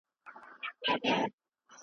بریالیتوب د هڅې او مطالعې په پایله کي راځي.